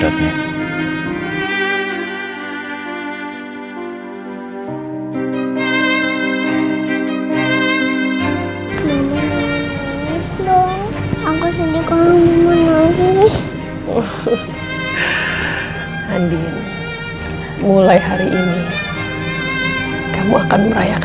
aku sendiri mampu untuk